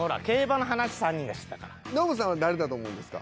ノブさんは誰だと思うんですか？